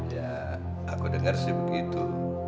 ya aku dengar sih begitu